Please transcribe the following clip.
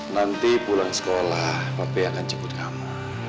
nanti pulang sekolah hp akan jemput kamu